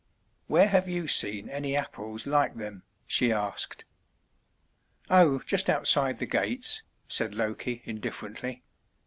"Where have you seen any Apples like them?" she asked. "Oh, just outside the gates," said Loki indifferently.